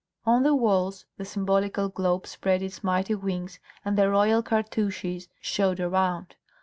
On the walls the symbolical globe spread its mighty wings and the royal cartouches showed around.